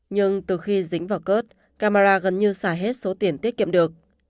nhưng từ khi dính vào cớt camara gần như xảy hết số tiền tiết kiệm được